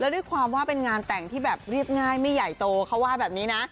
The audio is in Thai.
ด้วยความว่าเป็นงานแต่งที่แบบเรียบง่ายไม่ใหญ่โตเขาว่าแบบนี้นะ